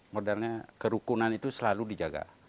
modalnya kerukunan itu selalu dijaga